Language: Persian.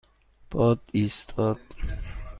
باد ایستاد.